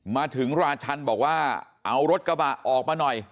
มาถึงราชันบอกว่าเอารถกระบะออกมาหน่อย